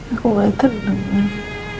aku akan tenang